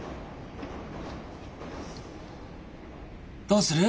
どうする？